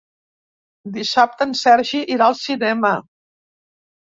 Dissabte en Sergi irà al cinema.